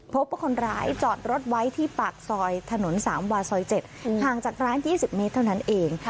พบว่าคนร้ายจอดรถไว้ที่ปากซอยถนนสามวาซอย๗ห่างจากร้าน๒๐เมตรเท่านั้นเอง